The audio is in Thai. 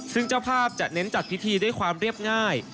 ซึ่งเจ้าภาพจะเน้นจัดพิธีด้วยความเรียบง่าย